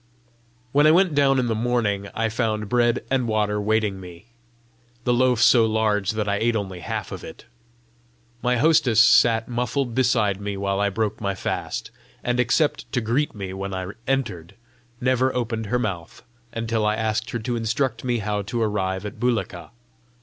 When I went down in the morning, I found bread and water waiting me, the loaf so large that I ate only half of it. My hostess sat muffled beside me while I broke my fast, and except to greet me when I entered, never opened her mouth until I asked her to instruct me how to arrive at Bulika.